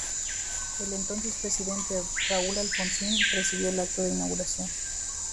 El entonces presidente Raúl Alfonsín presidió el acto de inauguración.